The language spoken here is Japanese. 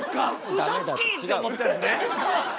うそつき！って思ったんですね。